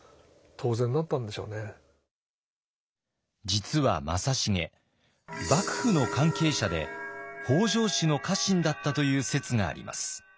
実は正成幕府の関係者で北条氏の家臣だったという説があります。